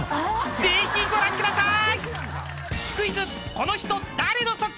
［ぜひご覧ください］